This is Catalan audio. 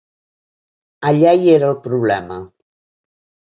Allà hi era el problema.